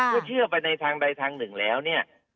เชื่อไปในทางใดทางหนึ่งแล้วเนี่ย